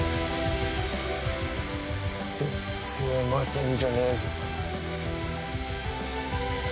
ぜってえ負けんじゃねえぞ！